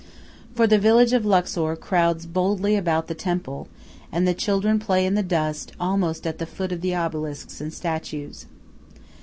For the village of Luxor crowds boldly about the temple, and the children play in the dust almost at the foot of the obelisks and statues.